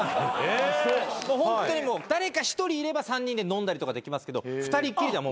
ホントにもう誰か１人いれば３人で飲んだりとかできますけど２人きりではもう無理。